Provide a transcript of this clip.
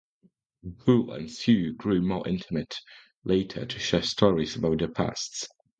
Rahul and Sue grow more intimate, later to share stories about their pasts.